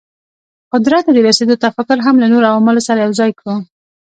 قدرت ته د رسېدو تفکر هم له نورو عواملو سره یو ځای کړو.